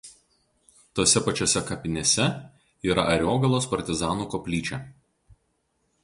Tose pačiose kapinėse yra Ariogalos partizanų koplyčia.